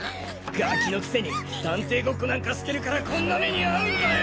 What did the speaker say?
ガキのくせに探偵ゴッコなんかしてるからこんな目にあうんだよ！